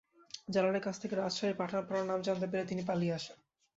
জালালের কাছ থেকে রাজশাহীর পাঠানপাড়ার নাম জানতে পেরে তিনি পালিয়ে আসেন।